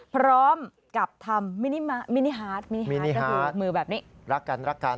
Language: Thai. พร้อมกับทำมินิฮาร์ดมินิฮาร์ดก็คือมือแบบนี้